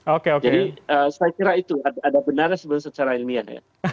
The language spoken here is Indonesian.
jadi saya kira itu ada benarnya sebenarnya secara ilmiah